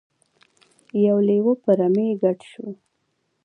یو لیوه په رمې ګډ شو.